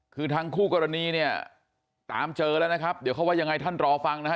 คือทางคู่กรณีเนี่ยตามเจอแล้วนะครับเดี๋ยวเขาว่ายังไงท่านรอฟังนะฮะ